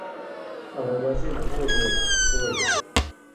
آں مزید ہوں بېں تھہ ݜُو وجہۡ نہ